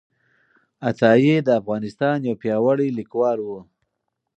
عطايي د افغانستان یو پیاوړی لیکوال و.